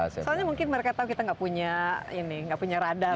soalnya mungkin mereka tahu kita nggak punya ini nggak punya radar